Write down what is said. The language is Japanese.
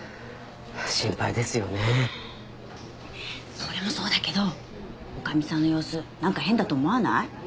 心配ですよねそれもそうだけど女将さんの様子なんか変だと思わない？